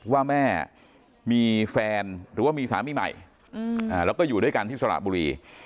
ว่าแม่มีแฟนหรือว่ามีสามีใหม่แล้วก็อยู่ด้วยกันที่สระบุรี